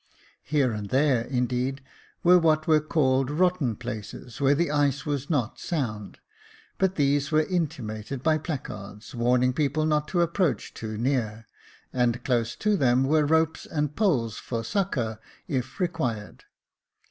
Here and there, indeed, were what were called rotten places, where the ice was not sound 5 but these were intimated by placards, warning people not to approach too near j and close to them were ropes and poles for succour, if required.